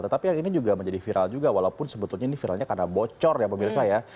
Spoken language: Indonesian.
tetapi yang ini juga menjadi viral juga walaupun sebetulnya ini viralnya karena bocor ya pemirsa ya